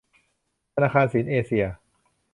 ธนาคารสินเอเซีย